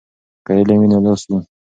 که علم وي نو لاس وي.